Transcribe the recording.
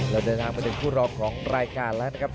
เราเดินทางมาถึงคู่รองของรายการแล้วนะครับ